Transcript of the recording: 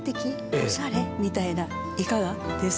おしゃれ？みたいないかがです？